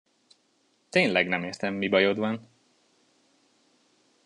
Tényleg nem értem, mi bajod van!